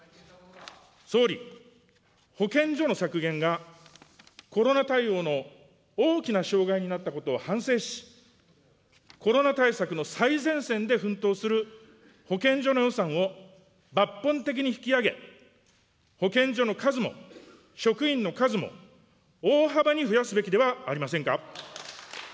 総理、保健所の削減がコロナ対応の大きな障害になったことを反省し、コロナ対策の最前線で奮闘する保健所の予算を抜本的に引き上げ、保健所の数も職員の数も大幅に増やすべきではありませんか。